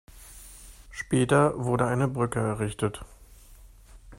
Später wurde eine Brücke errichtet.